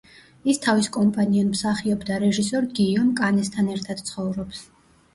ის თავის კომპანიონ მსახიობ და რეჟისორ გიიომ კანესთან ერთად ცხოვრობს.